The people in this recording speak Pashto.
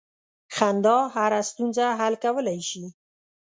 • خندا هره ستونزه حل کولی شي.